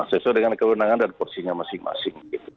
sesuai dengan kewenangan dan porsinya masing masing